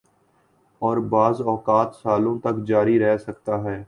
اوربعض اوقات سالوں تک جاری رہ سکتا ہی۔